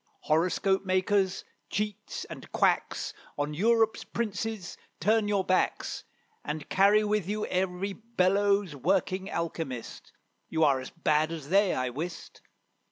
Horoscope makers, cheats, and quacks. On Europe's princes turn your backs, And carry with you every bellows working alchymist: You are as bad as they, I wist.